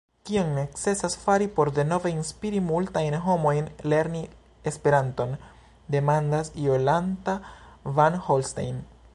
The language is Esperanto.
Kion necesas fari por denove inspiri multajn homojn lerni Esperanton, demandas Jolanta van Holstein.